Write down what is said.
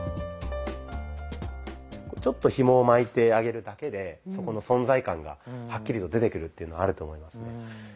ちょっとひもを巻いてあげるだけでそこの存在感がはっきりと出てくるっていうのはあると思いますね。